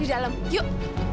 di dalam yuk